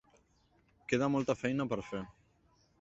Queda molta feina per fer.